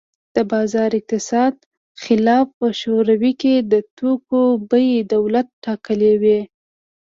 د بازار اقتصاد خلاف په شوروي کې د توکو بیې دولت ټاکلې وې